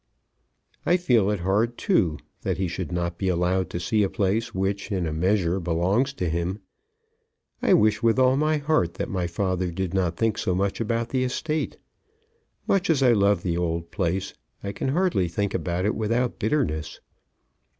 "I feel it hard too, that he should not be allowed to see a place which, in a measure, belongs to him. I wish with all my heart that my father did not think so much about the estate. Much as I love the old place, I can hardly think about it without bitterness.